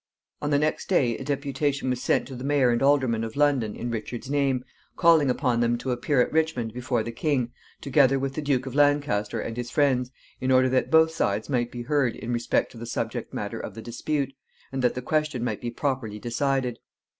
On the next day a deputation was sent to the mayor and aldermen of London in Richard's name, calling upon them to appear at Richmond before the king, together with the Duke of Lancaster and his friends, in order that both sides might be heard in respect to the subject matter of the dispute, and that the question might be properly decided.